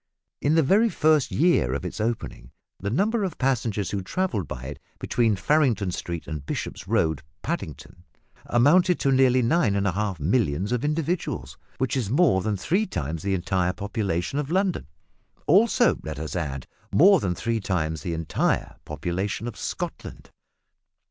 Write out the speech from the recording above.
In the very first year of its opening the number of passengers who travelled by it between Farringdon Street and Bishop's Road, Paddington, amounted to nearly nine and a half millions of individuals, which is more than three times the entire population of London also, let us add, more than three times the entire population of Scotland!